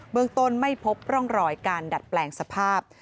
เมืองต้นไม่พบร่องรอยการดัดแปลงสภาพ